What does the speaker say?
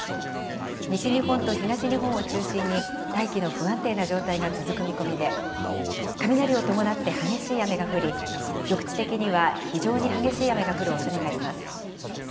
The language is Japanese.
西日本と東日本を中心に、大気の不安定な状態が続く見込みで、雷を伴って激しい雨が降り、局地的には非常に激しい雨が降るおそれがあります。